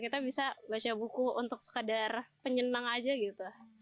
kita bisa baca buku untuk sekadar penyenang aja gitu